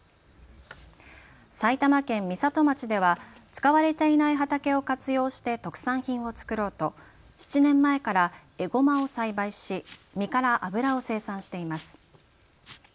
埼玉県美里町では使われていない畑を活用して特産品を作ろうと７年前からエゴマを栽培し実から油を生産しています。